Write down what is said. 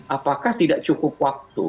apakah tidak cukup waktu